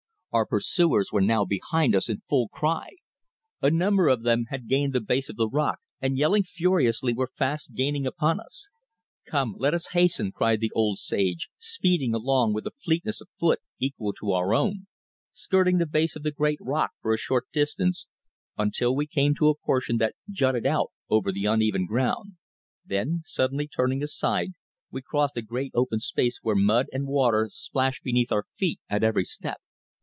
Our pursuers were now behind us in full cry. A number of them had gained the base of the rock and, yelling furiously, were fast gaining upon us. "Come, let us hasten," cried the old sage, speeding along with a fleetness of foot equal to our own, skirting the base of the great rock for a short distance until we came to a portion that jutted out over the uneven ground, then suddenly turning aside, we crossed a great open space where mud and water splashed beneath our feet at every step.